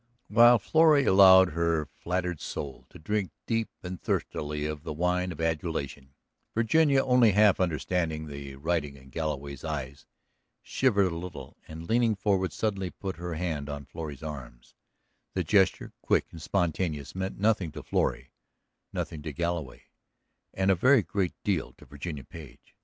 While Florrie allowed her flattered soul to drink deep and thirstily of the wine of adulation Virginia, only half understanding the writing in Galloway's eyes, shivered a little and, leaning forward suddenly, put her hand on Florrie's arm; the gesture, quick and spontaneous, meant nothing to Florrie, nothing to Galloway, and a very great deal to Virginia Page.